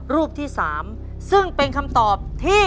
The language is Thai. รูปที่๓ซึ่งเป็นคำตอบที่